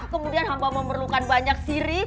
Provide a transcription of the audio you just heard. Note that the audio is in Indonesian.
kemudian hamba memerlukan banyak siri